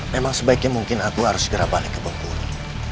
memang sebaiknya mungkin aku harus segera balik ke bengkulu